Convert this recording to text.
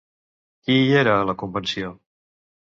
Qui hi era a la convenció?